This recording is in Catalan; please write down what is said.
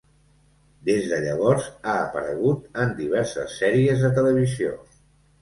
Des de llavors, ha aparegut en diverses sèries de televisió.